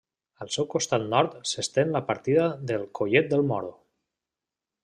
Al seu costat nord s'estén la partida del Collet del Moro.